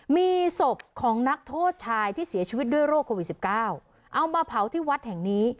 มีศพของนักโทษชายที่เสียชีวิตด้วยโรคโควิด๑๙เอามาเผาที่วัดแห่งนี้